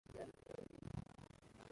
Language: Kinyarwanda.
yakuwe mumadirishya yimodoka iruhande rwe